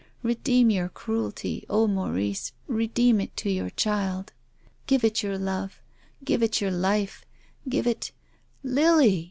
Redeem your cruelty, oh, Maurice, redeem it to your child. Give it your love. Give it your life. Give it —"" Lily !